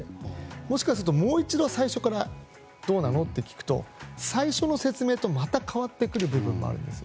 もしかすると、もう一度最初からどうするの？と聞くと最初の説明とまた変わってくる部分もあるんですよ。